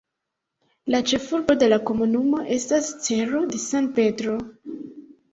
La ĉefurbo de la komunumo estas Cerro de San Pedro.